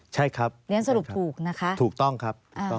ใช่ครับใช้ครับถูกต้องครับ